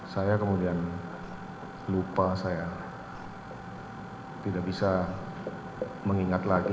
saya kemudian lupa saya tidak bisa mengingat lagi